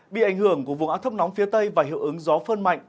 bị ảnh hưởng của vùng át thâm nóng phía tây và hiệu ứng gió phơn mạnh